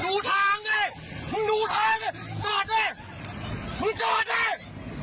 มึงเห็นว่ามันหนักอ่ะพี่มึงจอดไหนมึงจอดไหนมึงจอดไหน